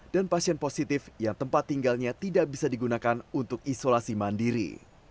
dan pasien positif yang tempat tinggalnya tidak bisa digunakan untuk isolasi mandiri